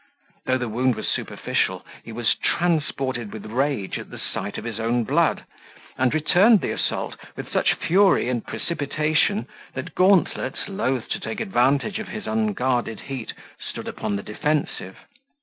Though the wound was superficial, he was transported with rage at sight of his own blood, and returned the assault with such fury and precipitation, that Gauntlet, loath to take advantage of his unguarded heat, stood upon the defensive.